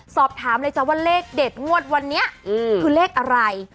สอบถามเลยจ้ะว่าเลขเด็ดงวดวันนี้คือเลขอะไร